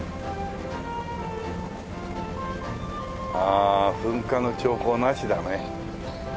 ああ噴火の兆候なしだね。